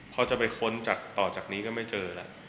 เขาจะไปค้นจากต่อจากนี้ก็ไม่เจอแล้ว